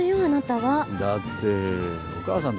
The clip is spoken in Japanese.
あなたはだってー